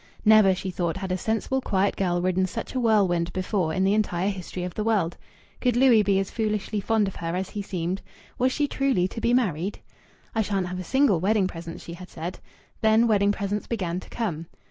Never, she thought, had a sensible, quiet girl ridden such a whirlwind before in the entire history of the world. Could Louis be as foolishly fond of her as he seemed? Was she truly to be married? "I shan't have a single wedding present," she had said. Then wedding presents began to come.